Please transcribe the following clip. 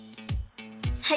はい！